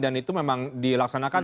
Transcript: dan itu memang dilaksanakan